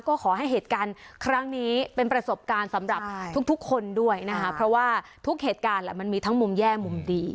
ก็ขอให้เหตุการณ์ครั้งนี้เป็นประสบการณ์สำหรับทุกคนด้วยนะคะเพราะว่าทุกเหตุการณ์มันมีทั้งมุมแย่มุมดี